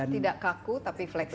tidak kaku tapi fleksibel